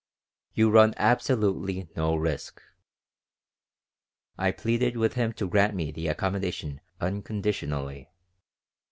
You run absolutely no risk." I pleaded with him to grant me the accommodation unconditionally.